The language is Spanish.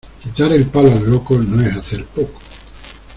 Quitar el palo al loco, no es hacer poco.